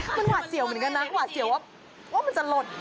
มันหวาดเสียวเหมือนกันนะหวาดเสียวว่ามันจะหล่น